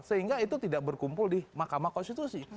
sehingga itu tidak berkumpul di mahkamah konstitusi